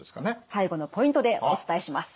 最後のポイントでお伝えします。